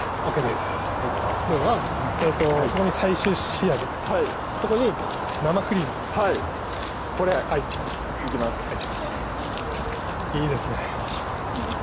そこに最終仕上げそこに生クリームこれいきますいいですね